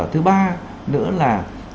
thứ ba nữa là